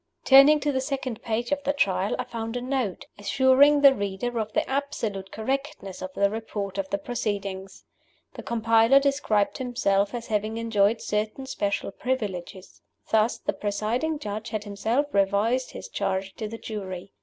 Turning to the second page of the Trial, I found a Note, assuring the reader of the absolute correctness of the Report of the Proceedings. The compiler described himself as having enjoyed certain special privileges. Thus, the presiding Judge had himself revised his charge to the jury.